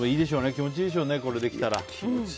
気持ちいいでしょうね、できたら。